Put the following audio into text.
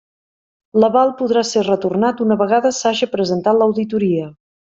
L'aval podrà ser retornat una vegada s'haja presentat l'auditoria.